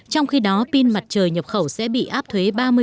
trong khi đó pin mặt trời nhập khẩu sẽ bị áp thuế ba mươi ngay trong năm đầu tiên